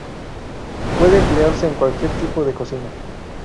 Puede emplearse en cualquier tipo de cocina.